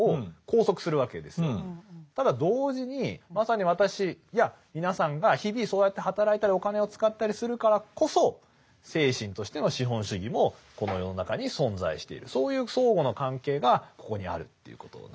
ただ同時にまさに私や皆さんが日々そうやって働いたりお金を使ったりするからこそ精神としての資本主義もこの世の中に存在しているそういう相互の関係がここにあるということなんです。